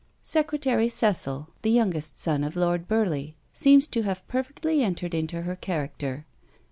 Secretary Cecil, the youngest son of Lord Burleigh, seems to have perfectly entered into her character.